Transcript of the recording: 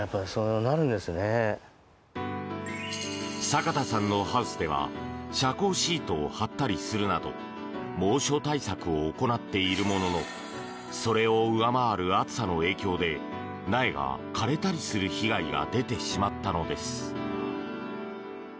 坂田さんのハウスでは遮光シートを張ったりするなど猛暑対策を行っているもののそれを上回る暑さの影響で苗が枯れたりする被害が出てしまったのです。